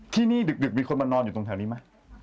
ที่นี่ดึกมีคนมานอนอยู่ตรงแถวนี้ไหม